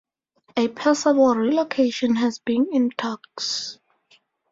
A possible relocation has been in talks.